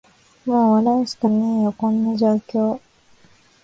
もう笑うしかねーよ、こんな状況